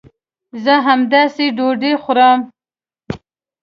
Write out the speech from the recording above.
زه همداوس ډوډۍ خورم